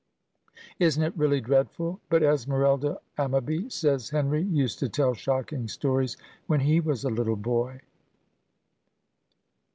"Isn't it really dreadful? But Esmerelda Ammaby says Henry used to tell shocking stories when he was a little boy."